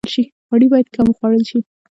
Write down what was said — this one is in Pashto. غوړي باید کم وخوړل شي